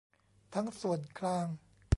ทั้งส่วนกลาง